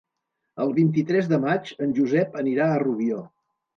El vint-i-tres de maig en Josep anirà a Rubió.